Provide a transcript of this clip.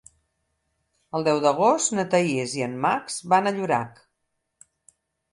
El deu d'agost na Thaís i en Max van a Llorac.